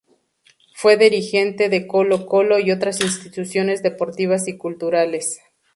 Fue dirigente de Colo-Colo y otras instituciones deportivas y culturales.